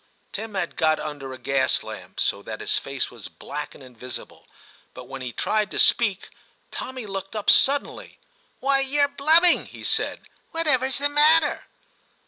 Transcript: Tim had got under a gas lamp, so that his face was black and invisible, but when he tried to speak. Tommy looked up suddenly. *Why, you're blubbing,' he said; *what ever's the matter